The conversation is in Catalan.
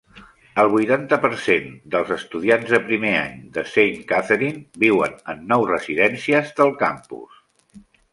El vuitanta per cent dels estudiants de primer any de Saint Catherine viuen en nou residències del campus.